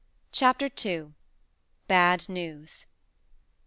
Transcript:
CHAPTER II. BAD NEWS.